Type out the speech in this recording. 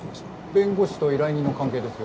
弁護士と依頼人の関係ですよ。